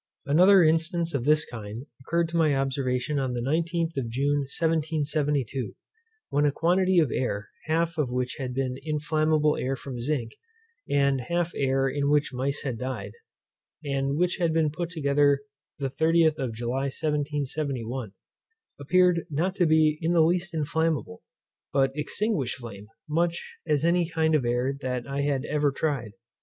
Another instance of this kind occurred to my observation on the 19th of June 1772, when a quantity of air, half of which had been inflammable air from zinc, and half air in which mice had died, and which had been put together the 30th of July 1771, appeared not to be in the least inflammable, but extinguished flame, as much as any kind of air that I had ever tried.